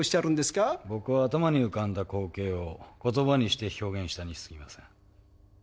僕は頭に浮かんだ光景を言葉にして表現したにすぎません。